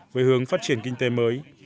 về hướng phát triển kinh tế mới